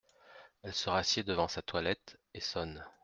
Elle se rassied devant sa toilette et sonne.